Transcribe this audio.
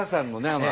あの